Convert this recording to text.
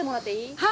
はい。